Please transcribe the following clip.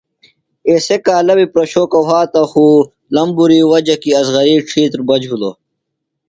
اسے کالہ بیۡ پرشوکہ وھاتہ خو لمبُری وجہ کیۡ اصغری ڇھیتر بچ بھِلوۡ .